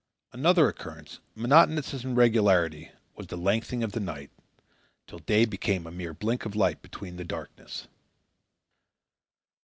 Another occurrence, monotonous in its regularity, was the lengthening of the nights, till day became a mere blink of light between the darkness.